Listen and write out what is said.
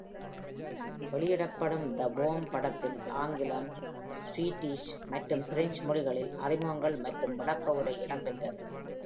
வெளியிடப்படும் "The Worm" படத்தில் ஆங்கிலம், ஸ்வீடிஷ் மற்றும் பிரஞ்சு மொழிகளில் அறிமுகங்கள் மற்றும் விளக்க உரை இடம்பெற்றது.